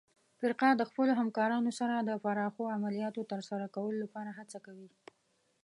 فرقه د خپلو همکارانو سره د پراخو عملیاتو ترسره کولو لپاره هڅه کوي.